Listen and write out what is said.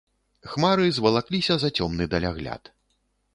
Хмары звалакліся за цёмны далягляд.